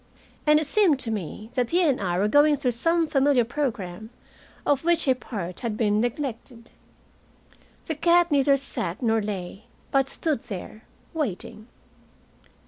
And it seemed to me that he and I were going through some familiar program, of which a part had been neglected. The cat neither sat nor lay, but stood there, waiting.